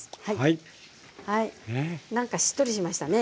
なんかしっとりしましたね。